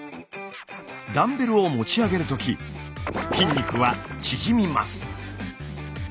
ダンベルを持ち上げるとき筋肉は縮みます。